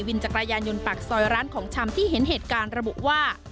จักรยานยนต์ปากซอยร้านของชำที่เห็นเหตุการณ์ระบุว่า